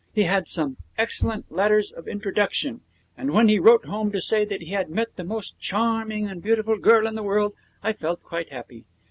He had some excellent letters of introduction, and when he wrote home to say that he had met the most charming and beautiful girl in the world I felt quite happy.